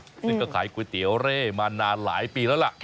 ซึ่งก็ขายก๋วยเตี๋ยวเร่มานานหลายปีแล้วล่ะ